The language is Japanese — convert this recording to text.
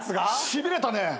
しびれたね。